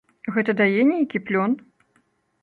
Гэта дае нейкі плён?